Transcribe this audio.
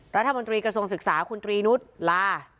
รัฐมนตรีกระทรวงศึกษาคุณตรีนุษย์ลา